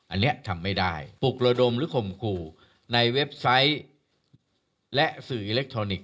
อันนี้ทำไม่ได้ปลุกระดมหรือข่มขู่ในเว็บไซต์และสื่ออิเล็กทรอนิกส